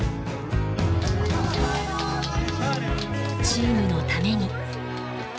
チームのために。